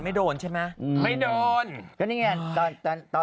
ภาษากล้องหน้ารถ